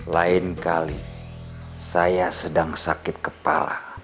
lain kali saya sedang sakit kepala